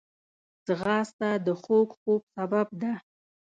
ځغاسته د خوږ خوب سبب ده